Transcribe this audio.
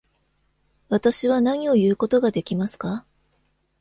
私は何を言うことができますか？